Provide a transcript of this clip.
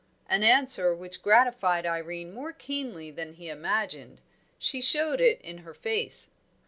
An answer which gratified Irene more keenly than he imagined; she showed it in her face.